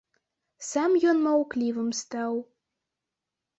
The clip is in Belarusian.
Сам ён маўклівым стаў.